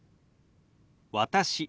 「私」。